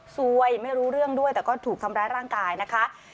ซวยไม่รู้เรื่องด้วยแต่ก็ถูกทำร้ายร่างกายนะคะ